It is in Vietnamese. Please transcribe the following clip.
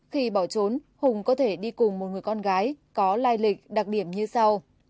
khi bỏ trốn hùng có thể đi cùng một người con gái có lai lịch đặc điểm như sau